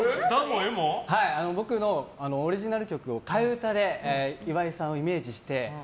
僕のオリジナル曲を替え歌で岩井さんをイメージして。